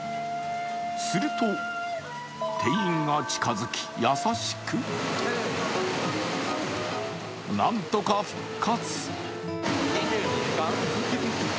すると、店員が近づき、優しくなんとか復活。